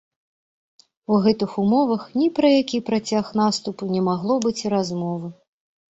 У гэтых умовах ні пра які працяг наступу не магло быць і размовы.